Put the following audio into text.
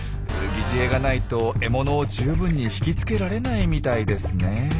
擬似餌がないと獲物を十分に引き付けられないみたいですね。